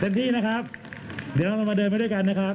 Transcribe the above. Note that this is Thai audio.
ที่นะครับเดี๋ยวเรามาเดินไปด้วยกันนะครับ